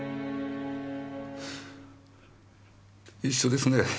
一緒ですね